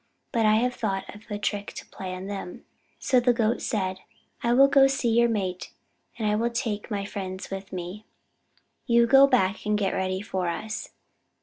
But I have thought of a trick to play on them." So the Goat said: "I will go to see your mate, and I will take my friends with me. You go back and get ready for us.